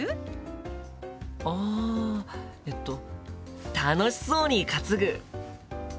あえっと楽しそうに担ぐ。